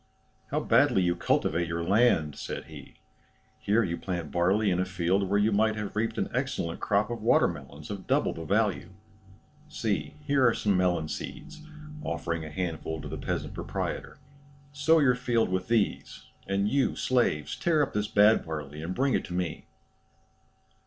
"How badly you cultivate your land," said he. "Here you plant barley in a field where you might have reaped an excellent crop of water melons of double the value. See, here are some melon seeds (offering a handful to the peasant proprietor); sow your field with these; and you, slaves, tear up this bad barley and bring it to me."